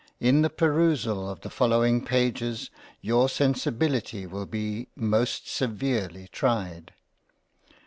in the perusal of the following Pages your sensibility will be most severely tried.